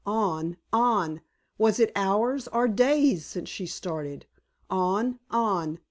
On on! Was it hours or days since she started? On on!